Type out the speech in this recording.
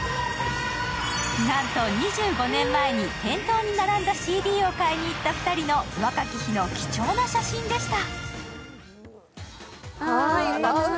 なんと２５年前に店頭に並んだＣＤを買いに行った２人の若き日の貴重な写真でした。